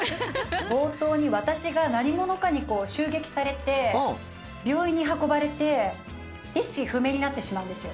冒頭に私が何者かに襲撃されて病院に運ばれて意識不明になってしまうんですよ。